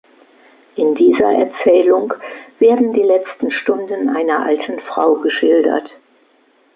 In dieser Erzählung werden die letzten Stunden einer alten Frau geschildert.